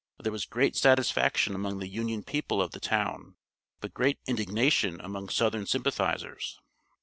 There was great satisfaction among the Union people of the town, but great indignation among Southern sympathizers.